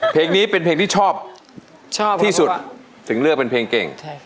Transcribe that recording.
เพลงนี้เป็นเพลงที่ชอบชอบที่สุดถึงเลือกเป็นเพลงเก่ง